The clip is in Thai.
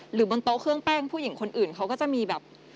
บนโต๊ะเครื่องแป้งผู้หญิงคนอื่นเขาก็จะมีแบบ